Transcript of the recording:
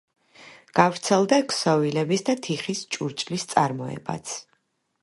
გავრცელდა ქსოვილების და თიხის ჭურჭლის წარმოებაც.